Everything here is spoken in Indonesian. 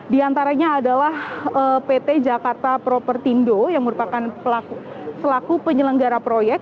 di antaranya adalah pt jakarta proper tindo yang merupakan pelaku penyelenggara proyek